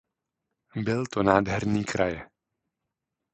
Byl to nádherný kraje.